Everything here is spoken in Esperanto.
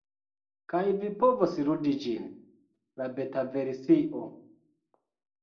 kaj vi povos ludi ĝin, la betaversio